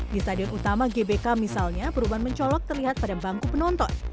di stadion utama gbk misalnya perubahan mencolok terlihat pada bangku penonton